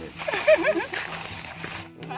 ไม่ดูชิ้นใหม่